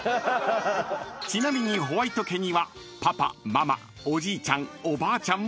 ［ちなみにホワイト家にはパパママおじいちゃんおばあちゃんもいるんです］